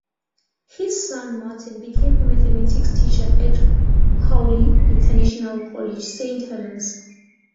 His son, Martin, became a mathematics teacher at Cowley International College, Saint Helens.